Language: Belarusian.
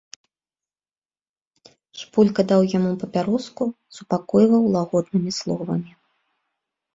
Шпулька даў яму папяроску, супакойваў лагоднымі словамі.